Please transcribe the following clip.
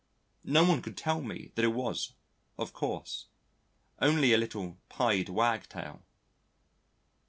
No one could tell me that it was, of course, only a little Pied Wagtail.